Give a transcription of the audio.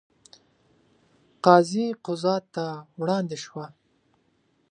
قاضي قضات ته وړاندې شوه.